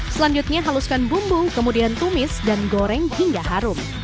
selanjutnya haluskan bumbu kemudian tumis dan goreng hingga harum